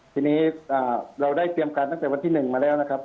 ทีนี้เราได้เตรียมการตั้งแต่วันที่๑มาแล้วนะครับ